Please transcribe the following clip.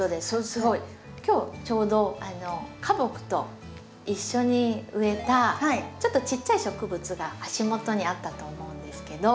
すごい。今日ちょうど花木と一緒に植えたちょっとちっちゃい植物が足元にあったと思うんですけど。